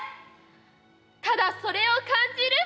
ただそれを感じる。